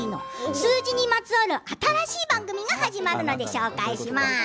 数字にまつわる新しい番組が始まるので、紹介します。